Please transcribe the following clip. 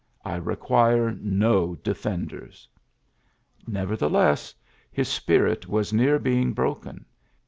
I require no defenders Nevertheless, his spirit was near bei broken.